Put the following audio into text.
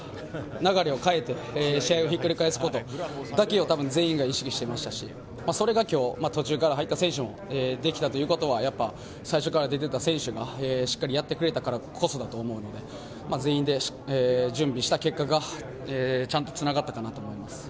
流れを変えることを多分、全員が意識していましたしそれが今日途中から入った選手ができたということは最初から出てた選手がしっかりやってくれたからこそだと思うので全員で準備した結果がちゃんとつながったかなと思います。